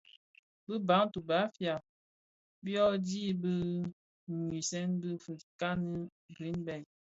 Bi Bantu (Bafia) byodhi bi nyisen bi fikani Greenberg,